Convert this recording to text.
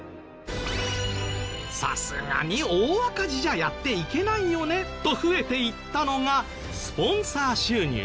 さすがに大赤字じゃやっていけないよねと増えていったのがスポンサー収入。